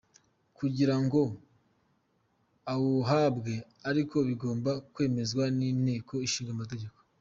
Kugira ngo awuhabwe ariko bigomba kwemezwa n’Inteko Ishinga Amategeko.